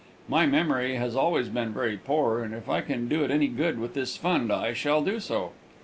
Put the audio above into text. My memory has always been very poor, and if I can do it any good with this fund I shall do so.